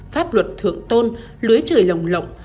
pháp luật thượng tôn lưới trời lồng lộng